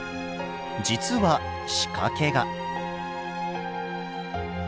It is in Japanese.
実は仕掛けが。